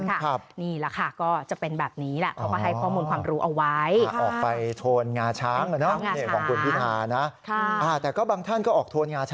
แต่ก็บางท่านก็ออกโทนงาช้างเหมือนกันนะ